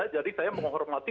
jadi saya menghormati